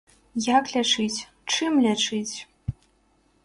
Як лячыць, чым лячыць?